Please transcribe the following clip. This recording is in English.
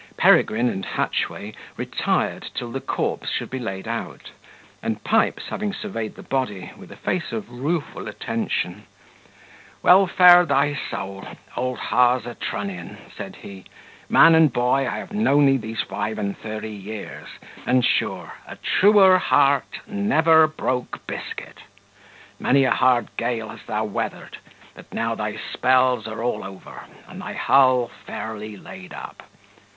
Peregrine and Hatchway retired till the corpse should be laid out; and Pipes having surveyed the body, with a face of rueful attention, "Well fare thy soul! old Hawser Trunnion," said he: "man and boy I have known thee these five and thirty years, and sure a truer heart never broke biscuit. Many a hard gale hast thou weathered; but now thy spells are all over, and thy hull fairly laid up.